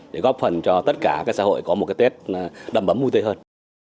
để góp phần cho tất cả các xã hội có một tết đậm ấm vui tươi hơn